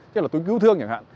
tức là túi cứu thương chẳng hạn